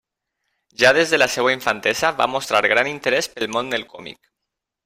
Ja des de la seva infantesa, va mostrar gran interès pel món del còmic.